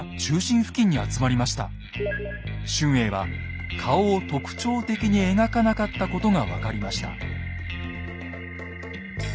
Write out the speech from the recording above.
春英は顔を特徴的に描かなかったことが分かりました。